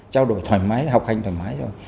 trao đổi thoải mái học hành thoải mái rồi